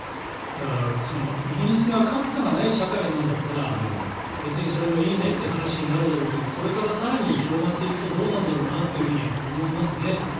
だから、イギリスが格差がない社会なんだったら別にそれもいいねって話になるだろうけどこれから更に広がっていくとどうなんだろうなというふうには思いますよね。